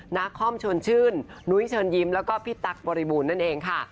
นาคอมชวนชื่นนุ้ยเชิญยิ้มแล้วก็พี่ตั๊กบริบูรณ์นั่นเองค่ะ